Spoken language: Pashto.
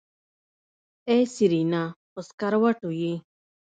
ای سېرېنا په سکروټو يې.